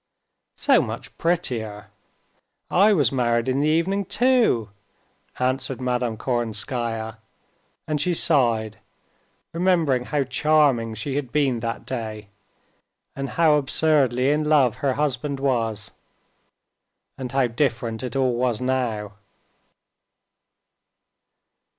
"So much prettier. I was married in the evening too...." answered Madame Korsunskaya, and she sighed, remembering how charming she had been that day, and how absurdly in love her husband was, and how different it all was now.